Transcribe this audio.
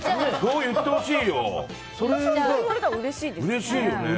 言われたらうれしいですよね。